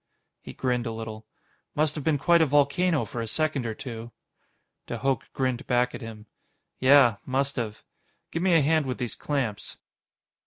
He grinned a little. "Must've been quite a volcano for a second or two." De Hooch grinned back at him. "Yeah. Must've. Give me a hand with these clamps."